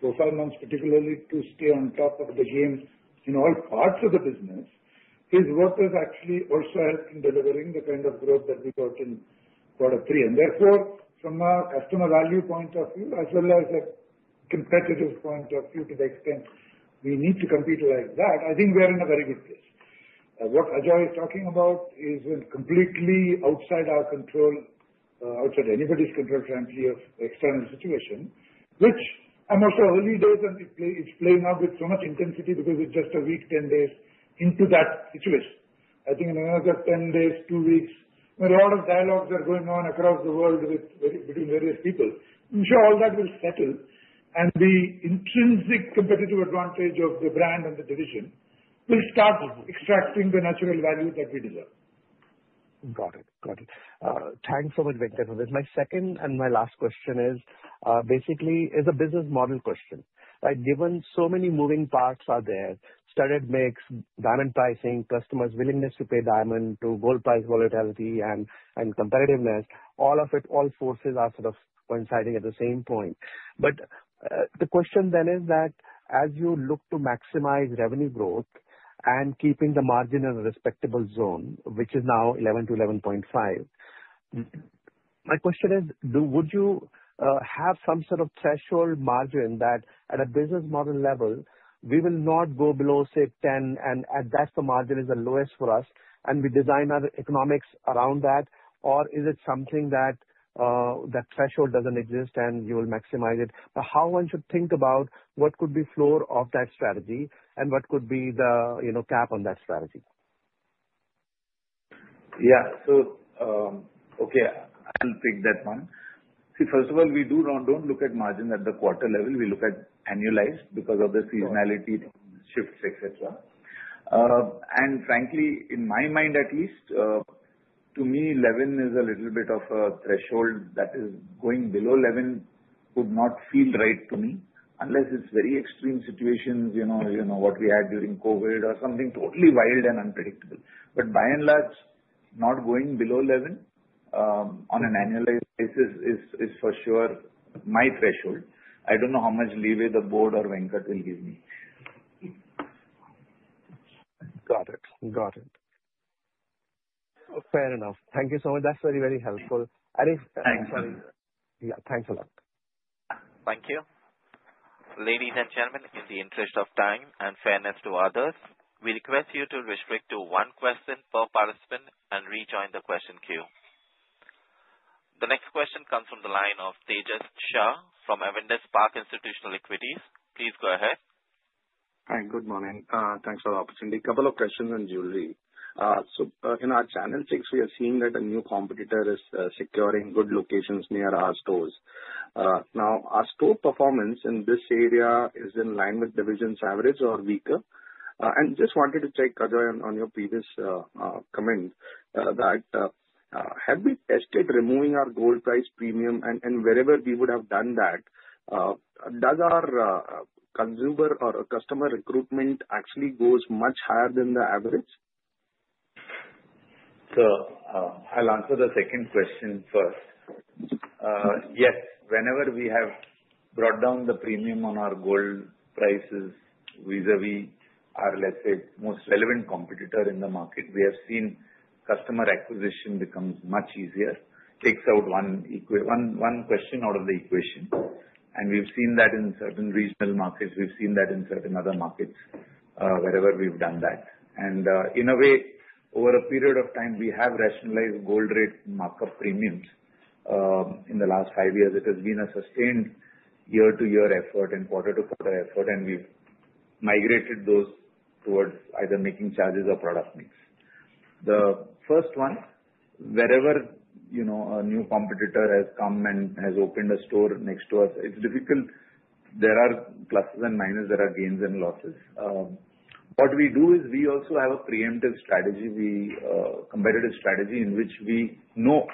four, five months, particularly to stay on top of the game in all parts of the business is what has actually also helped in delivering the kind of growth that we got in quarter three. And therefore, from our customer value point of view, as well as a competitive point of view to the extent we need to compete like that, I think we are in a very good place. What Ajoy is talking about is completely outside our control, outside anybody's control, frankly, of external situation, which I'm also early days and it's playing out with so much intensity because it's just a week, 10 days into that situation. I think in another 10 days, two weeks, a lot of dialogues are going on across the world between various people. I'm sure all that will settle. And the intrinsic competitive advantage of the brand and the division will start extracting the natural value that we deserve. Got it. Got it. Thanks so much, Venkat. My second and my last question is basically it's a business model question. Given so many moving parts are there, studded mix, diamond pricing, customers' willingness to pay diamond to gold price volatility and competitiveness, all of it, all forces are sort of coinciding at the same point. But the question then is that as you look to maximize revenue growth and keeping the margin in a respectable zone, which is now 11%-11.5%, my question is, would you have some sort of threshold margin that at a business model level, we will not go below, say, 10%, and that's the margin is the lowest for us, and we design our economics around that? Or is it something that that threshold doesn't exist and you will maximize it? How one should think about what could be floor of that strategy and what could be the cap on that strategy? Yeah. So okay, I'll take that one. See, first of all, we don't look at margin at the quarter level. We look at annualized because of the seasonality shifts, etc. And frankly, in my mind at least, to me, 11 is a little bit of a threshold that is going below 11 would not feel right to me unless it's very extreme situations, what we had during COVID or something totally wild and unpredictable. But by and large, not going below 11 on an annualized basis is for sure my threshold. I don't know how much leeway the board or Venkat will give me. Got it. Got it. Fair enough. Thank you so much. That's very, very helpful. Thanks. Yeah. Thanks a lot. Thank you. Ladies and gentlemen, in the interest of time and fairness to others, we request you to restrict to one question per participant and rejoin the question queue. The next question comes from the line of Tejas Shah from Avendus Spark Institutional Equities. Please go ahead. Hi. Good morning. Thanks for the opportunity. A couple of questions on jewelry. So in our channel six, we are seeing that a new competitor is securing good locations near our stores. Now, our store performance in this area is in line with division's average or weaker? And just wanted to check, Ajoy, on your previous comment that had we tested removing our gold price premium and wherever we would have done that, does our consumer or customer recruitment actually go much higher than the average? I'll answer the second question first. Yes. Whenever we have brought down the premium on our gold prices vis-à-vis our, let's say, most relevant competitor in the market, we have seen customer acquisition become much easier. It takes out one question out of the equation. We've seen that in certain regional markets. We've seen that in certain other markets wherever we've done that. In a way, over a period of time, we have rationalized gold rate markup premiums. In the last five years, it has been a sustained year-to-year effort and quarter-to-quarter effort. We've migrated those towards either making charges or product mix. The first one, wherever a new competitor has come and has opened a store next to us, it's difficult. There are pluses and minuses. There are gains and losses. What we do is we also have a preemptive strategy, competitive strategy in which we know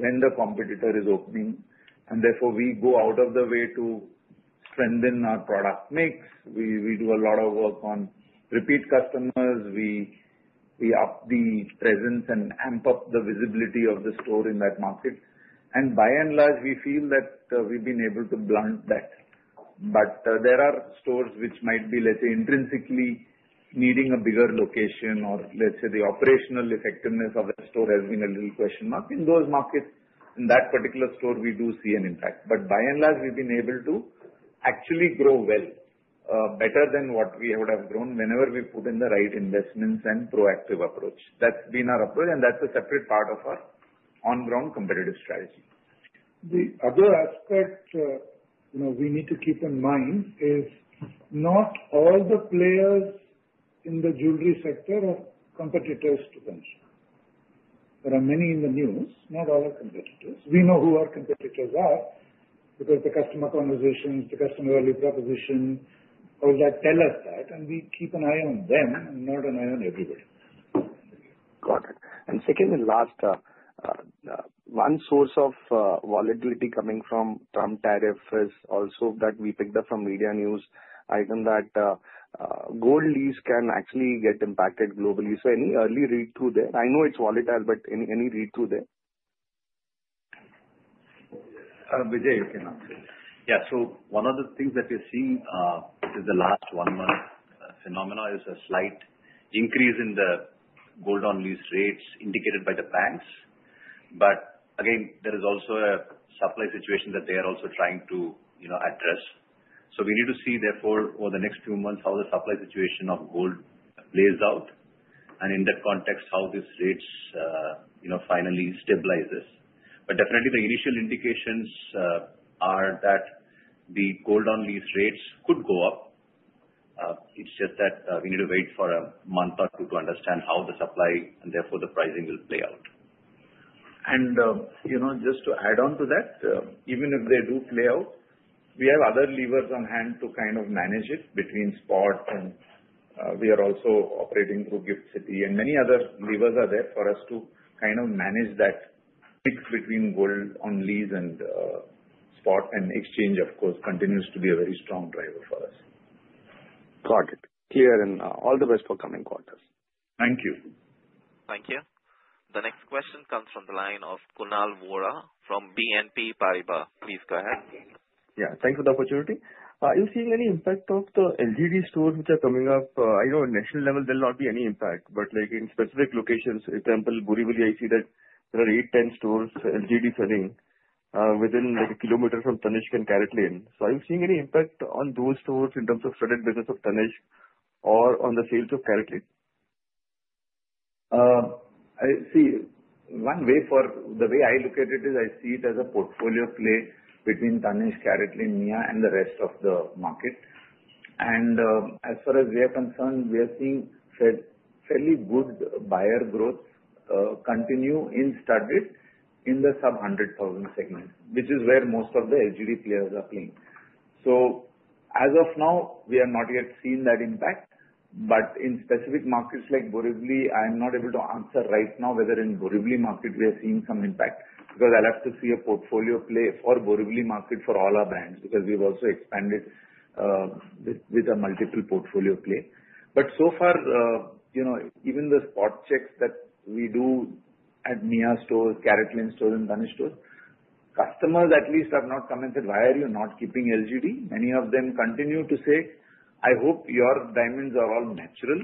when the competitor is opening. And therefore, we go out of the way to strengthen our product mix. We do a lot of work on repeat customers. We up the presence and amp up the visibility of the store in that market. And by and large, we feel that we've been able to blunt that. But there are stores which might be, let's say, intrinsically needing a bigger location or, let's say, the operational effectiveness of the store has been a little question mark. In those markets, in that particular store, we do see an impact. But by and large, we've been able to actually grow well, better than what we would have grown whenever we put in the right investments and proactive approach. That's been our approach. That's a separate part of our on-ground competitive strategy. The other aspect we need to keep in mind is not all the players in the jewelry sector are competitors to them. There are many in the news. Not all are competitors. We know who our competitors are because the customer conversations, the customer value proposition, all that tell us that. And we keep an eye on them and not an eye on everybody. Got it. And second and last, one source of volatility coming from Trump tariff is also that we picked up from media news item that gold lease can actually get impacted globally. So any early read through there? I know it's volatile, but any read through there? Vijay, you can answer. Yeah. So one of the things that we're seeing in the last one month phenomenon is a slight increase in the gold on lease rates indicated by the banks. But again, there is also a supply situation that they are also trying to address. So we need to see, therefore, over the next few months how the supply situation of gold plays out and in that context how these rates finally stabilizes. But definitely, the initial indications are that the gold on lease rates could go up. It's just that we need to wait for a month or two to understand how the supply and therefore the pricing will play out. And just to add on to that, even if they do play out, we have other levers on hand to kind of manage it between spot and we are also operating through GIFT City. Many other levers are there for us to kind of manage that mix between gold on lease and spot and exchange. Of course, continues to be a very strong driver for us. Got it. Clear. And all the best for coming quarters. Thank you. Thank you. The next question comes from the line of Kunal Vora from BNP Paribas. Please go ahead. Yeah. Thanks for the opportunity. Are you seeing any impact of the LGD stores which are coming up? I know at national level, there'll not be any impact. But in specific locations, example, Borivali, I see that there are eight, 10 stores LGD selling within a kilometer from Tanishq and CaratLane. So are you seeing any impact on those stores in terms of studded business of Tanishq or on the sales of CaratLane? See, one way for the way I look at it is I see it as a portfolio play between Tanishq, CaratLane, Mia, and the rest of the market. And as far as we are concerned, we are seeing fairly good buyer growth continue in studded in the sub 100,000 segment, which is where most of the LGD players are playing. So as of now, we have not yet seen that impact. But in specific markets like Borivali, I'm not able to answer right now whether in Borivali market we are seeing some impact because I'll have to see a portfolio play for Borivali market for all our brands because we've also expanded with a multiple portfolio play. But so far, even the spot checks that we do at Mia stores, CaratLane stores, and Tanishq stores, customers at least have not commented, "Why are you not keeping LGD?" Many of them continue to say, "I hope your diamonds are all natural.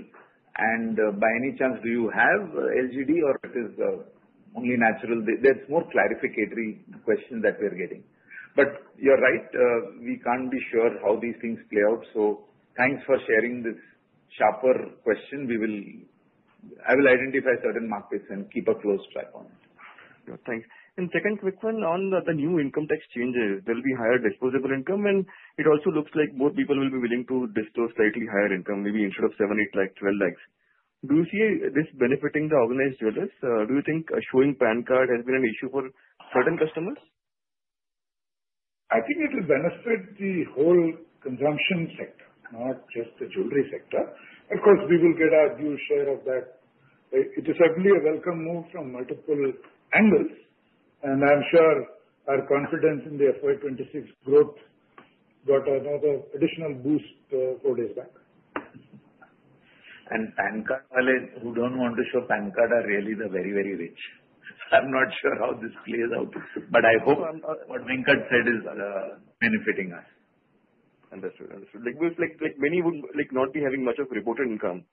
And by any chance, do you have LGD or it is only natural?" That's more clarificatory questions that we're getting. But you're right. We can't be sure how these things play out. So thanks for sharing this sharper question. I will identify certain markets and keep a close track on it. Thanks. And second quick one on the new income tax changes. There'll be higher disposable income. And it also looks like more people will be willing to disclose slightly higher income, maybe instead of 7, 8, 12 lakhs. Do you see this benefiting the organized jewelers? Do you think showing a PAN card has been an issue for certain customers? I think it will benefit the whole consumption sector, not just the jewelry sector. Of course, we will get our due share of that. It is certainly a welcome move from multiple angles. And I'm sure our confidence in the FY26 growth got another additional boost four days back. And PAN card values, who don't want to show PAN card, are really the very, very rich. I'm not sure how this plays out. But I hope what Venkat said is benefiting us. Understood. Understood. Like many would not be having much of reported income.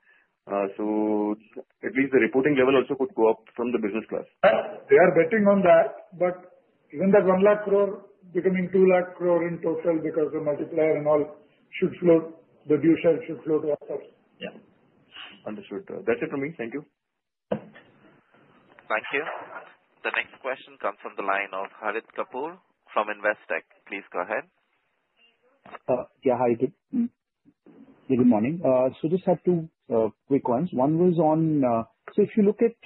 So at least the reporting level also could go up from the business class. Yeah. They are betting on that. But even that one lakh crore becoming two lakh crore in total because the multiplier and all should flow. The due share should flow to ourselves. Yeah. Understood. That's it from me. Thank you. Thank you. The next question comes from the line of Harit Kapoor from Investec. Please go ahead. Yeah. Hi, Venkat. Good morning. So just had two quick ones. One was on, so if you look at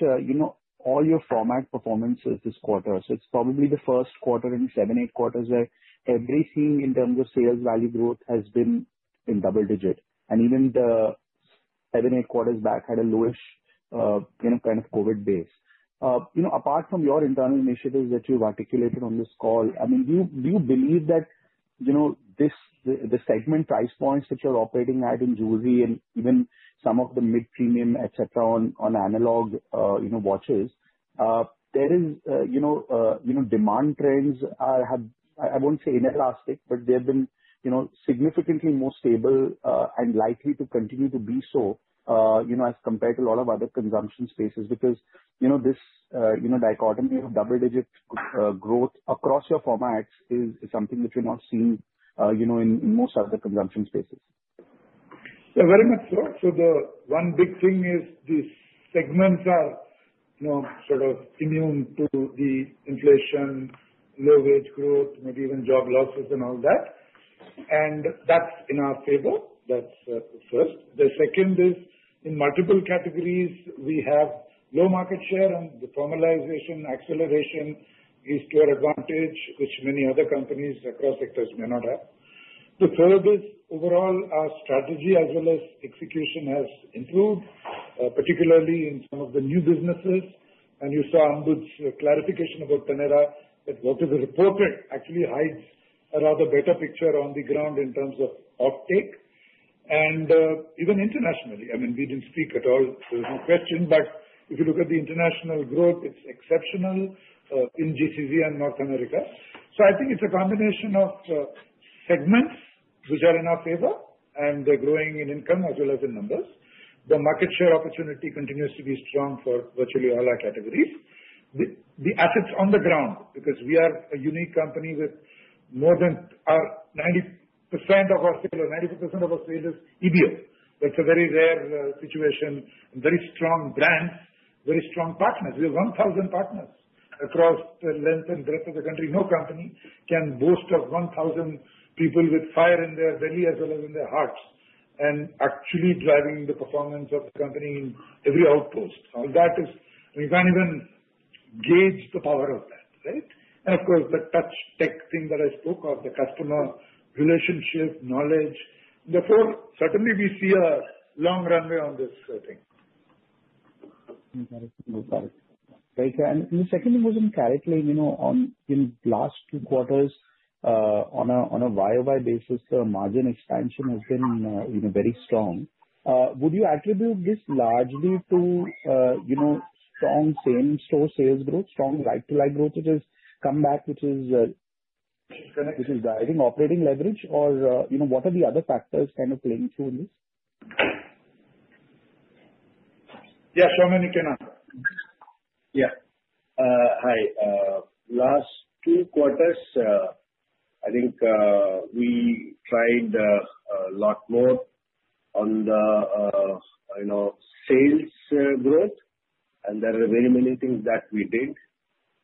all your format performances this quarter, so it's probably the first quarter in seven, eight quarters where everything in terms of sales value growth has been in double digit. And even the seven, eight quarters back had a lowish kind of COVID base. Apart from your internal initiatives that you've articulated on this call, I mean, do you believe that the segment price points that you're operating at in jewelry and even some of the mid-premium, etc., on analog watches, there is demand trends are I won't say inelastic, but they have been significantly more stable and likely to continue to be so as compared to a lot of other consumption spaces because this dichotomy of double-digit growth across your formats is something that you're not seeing in most other consumption spaces? Yeah. Very much so. So the one big thing is these segments are sort of immune to the inflation, low-wage growth, maybe even job losses and all that. And that's in our favor. That's the first. The second is in multiple categories, we have low market share and the formalization acceleration is to our advantage, which many other companies across sectors may not have. The third is overall our strategy as well as execution has improved, particularly in some of the new businesses. And you saw Ambuj's clarification about Taneira that what is reported actually hides a rather better picture on the ground in terms of uptake. And even internationally, I mean, we didn't speak at all. There was no question. But if you look at the international growth, it's exceptional in GC and North America. So I think it's a combination of segments which are in our favor and they're growing in income as well as in numbers. The market share opportunity continues to be strong for virtually all our categories. The assets on the ground because we are a unique company with more than 90% of our sales, 94% of our sales is EBO. That's a very rare situation. Very strong brands, very strong partners. We have 1,000 partners across the length and breadth of the country. No company can boast of 1,000 people with fire in their belly as well as in their hearts and actually driving the performance of the company in every outpost. All that is we can't even gauge the power of that, right? And of course, the touch tech thing that I spoke of, the customer relationship, knowledge. Therefore, certainly, we see a long runway on this thing. Got it. Got it. Right, and the second thing was in CaratLane. In the last two quarters, on a YOY basis, the margin expansion has been very strong. Would you attribute this largely to strong same-store sales growth, strong right-to-right growth, which has come back, which is driving operating leverage, or what are the other factors kind of playing through in this? Yeah. So many cannot. Yeah. Hi. Last two quarters, I think we tried a lot more on the sales growth, and there are very many things that we did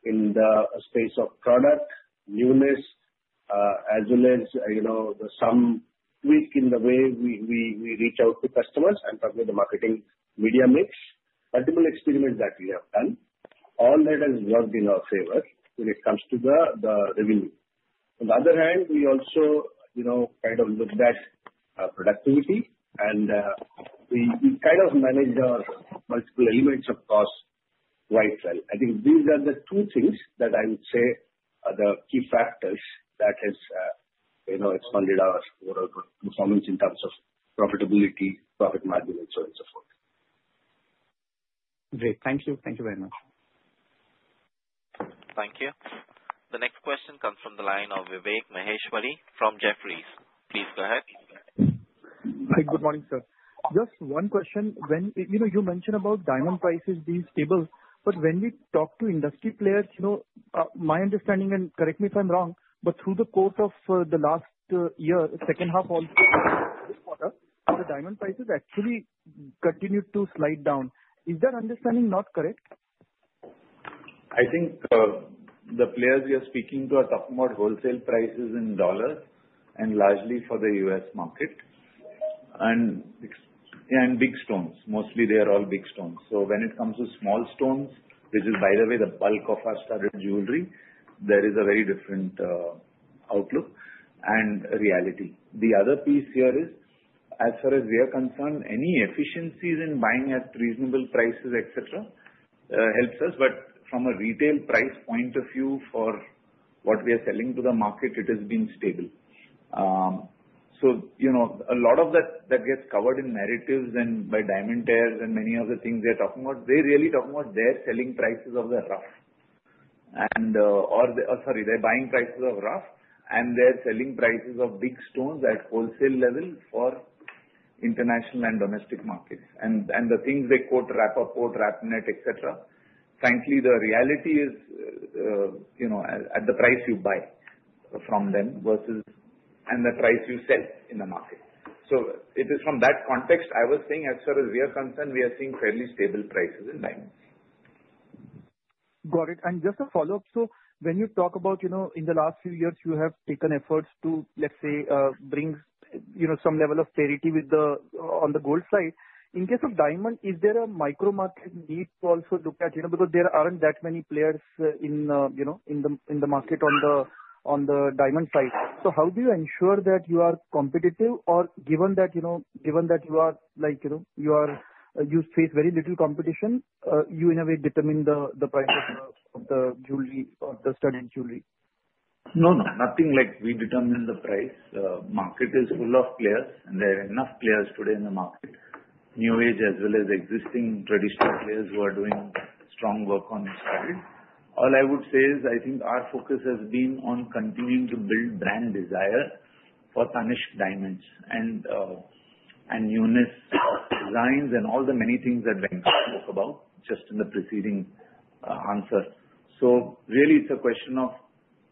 in the space of product, newness, as well as some tweak in the way we reach out to customers and probably the marketing media mix: multiple experiments that we have done. All that has worked in our favor when it comes to the revenue. On the other hand, we also kind of looked at productivity, and we kind of managed our multiple elements, of course, quite well. I think these are the two things that I would say are the key factors that have expanded our overall performance in terms of profitability, profit margin, and so on and so forth. Great. Thank you. Thank you very much. Thank you. The next question comes from the line of Vivek Maheshwari from Jefferies. Please go ahead. Hi. Good morning, sir. Just one question. You mentioned about diamond prices being stable. But when we talk to industry players, my understanding, and correct me if I'm wrong, but through the course of the last year, second half of this quarter, the diamond prices actually continued to slide down. Is that understanding not correct? I think the players we are speaking to are talking about wholesale prices in dollars and largely for the U.S. market, and big stones. Mostly, they are all big stones. When it comes to small stones, which is, by the way, the bulk of our studded jewelry, there is a very different outlook and reality. The other piece here is, as far as we are concerned, any efficiencies in buying at reasonable prices, etc., helps us. But from a retail price point of view for what we are selling to the market, it has been stable. A lot of that gets covered in narratives and by diamond trade and many other things they're talking about. They're really talking about their selling prices of the rough. Sorry, their buying prices of rough and their selling prices of big stones at wholesale level for international and domestic markets. And the things they quote, Rapaport, quote, RapNet, etc., frankly, the reality is at the price you buy from them versus the price you sell in the market. So it is from that context I was saying, as far as we are concerned, we are seeing fairly stable prices in diamonds. Got it. And just a follow-up. So when you talk about in the last few years, you have taken efforts to, let's say, bring some level of clarity on the gold side. In case of diamond, is there a micro market need to also look at? Because there aren't that many players in the market on the diamond side. So how do you ensure that you are competitive? Or given that you face very little competition, you in a way determine the price of the jewelry or the studded jewelry? No, no. Nothing like we determine the price. The market is full of players, and there are enough players today in the market, new age as well as existing traditional players who are doing strong work on studded. All I would say is I think our focus has been on continuing to build brand desire for Tanishq diamonds and newness designs and all the many things that Venkat spoke about just in the preceding answer, so really, it's a question of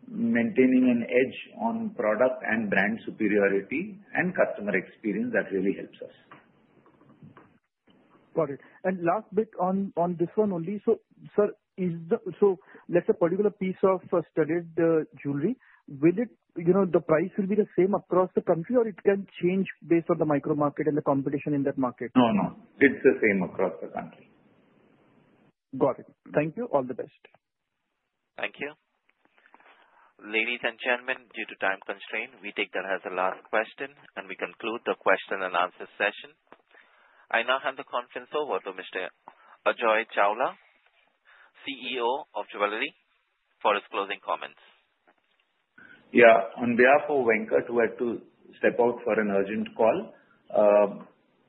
maintaining an edge on product and brand superiority and customer experience that really helps us. Got it. Last bit on this one only. Sir, let's say a particular piece of studded jewelry. Will the price be the same across the country or it can change based on the micro market and the competition in that market? No, no. It's the same across the country. Got it. Thank you. All the best. Thank you. Ladies and gentlemen, due to time constraint, we take that as a last question and we conclude the question and answer session. I now hand the conference over to Mr. Ajoy Chawla, CEO of Jewelry, for his closing comments. Yeah. On behalf of Venkat, who had to step out for an urgent call,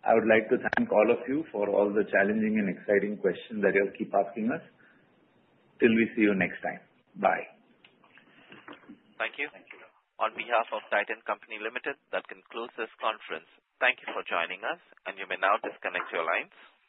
I would like to thank all of you for all the challenging and exciting questions that you'll keep asking us. Till we see you next time. Bye. Thank you. Thank you. On behalf of Titan Company Limited, that concludes this conference. Thank you for joining us. You may now disconnect your lines.